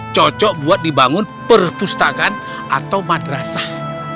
cocok buat dibangun perpustakaan atau madrasah